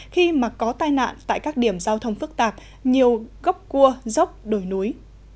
khi mà có tai nạn tại các điểm giao thông phức tạp nhiều gốc cua dốc đồi núi